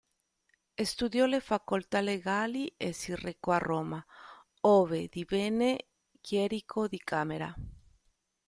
Studiò le facoltà legali e si recò a Roma, ove divenne chierico di Camera.